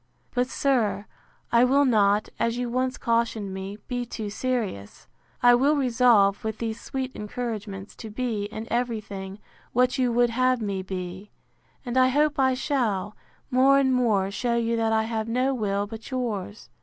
—But, sir, I will not, as you once cautioned me, be too serious. I will resolve, with these sweet encouragements, to be, in every thing, what you would have me be: And I hope I shall, more and more, shew you that I have no will but yours.